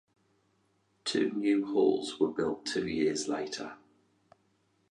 Two new halls were built two years later.